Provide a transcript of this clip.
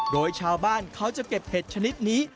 โดยชาวบ้านเขาจะเก็บเห็ดชนิดนี้